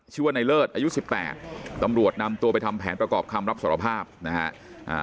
ชื่อว่าในเลิศอายุสิบแปดตำรวจนำตัวไปทำแผนประกอบคำรับสารภาพนะฮะ